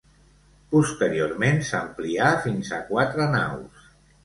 Posteriorment s'amplià fins a quatre naus.